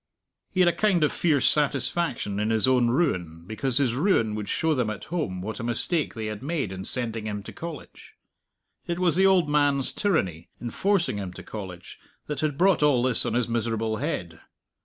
He had a kind of fierce satisfaction in his own ruin, because his ruin would show them at home what a mistake they had made in sending him to College. It was the old man's tyranny, in forcing him to College, that had brought all this on his miserable head.